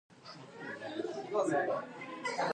But what made this phenomenon truly unique was the silence.